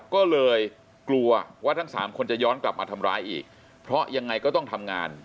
ก็เลยกลัวว่าทั้งสามคนจะย้อนกลับมาทำร้ายอีกเพราะยังไงก็ต้องทำงาน